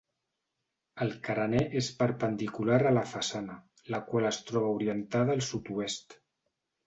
El carener és perpendicular a la façana, la qual es troba orientada al sud-oest.